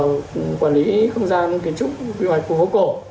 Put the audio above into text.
vì nó tuy định về quản lý không gian kiến trúc quy hoạch khu vô cổ